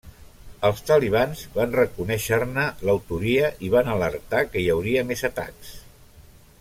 Els Talibans van reconèixer-ne l'autoria i van alertar que hi hauria més atacs.